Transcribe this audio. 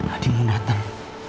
adi mau datang